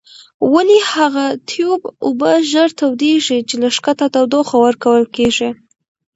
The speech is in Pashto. ولې هغه تیوب اوبه ژر تودیږي چې له ښکته تودوخه ورکول کیږي؟